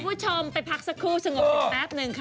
คุณผู้ชมไปพักสักครู่สงบอีกแป๊บหนึ่งค่ะ